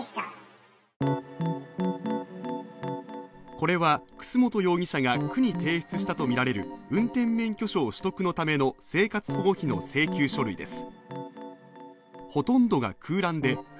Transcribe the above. これは、楠本容疑者が区に提出したとみられる運転免許証取得のための生活保護費の請求書類です。